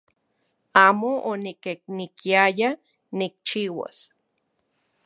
Amo oniknekiaya nikchiuas